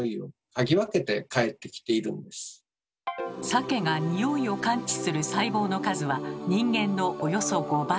サケがニオイを感知する細胞の数は人間のおよそ５倍。